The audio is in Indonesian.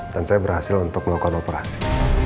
dan saya berhasil untuk melakukan operasi